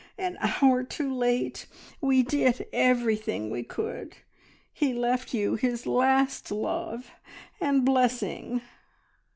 An hour too late! We did everything we could. He left you his last love and blessing."